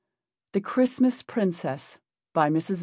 THE CHRISTMAS PRINCESS. BY MRS.